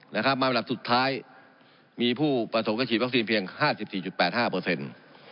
มาเป็นระดับสุดท้ายมีผู้ประสงค์การฉีดวัคซีนเพียง๕๔๘๕เปอร์เซ็นต์